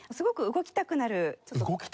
動きたくなる。